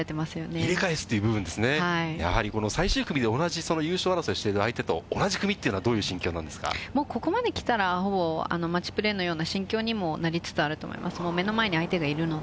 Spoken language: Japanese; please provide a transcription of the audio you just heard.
やはりこの最終組で同じ優勝争いしている相手と同じ組っていうのここまで来たら、ほぼマッチプレーのような心境にもなりつつあると思います。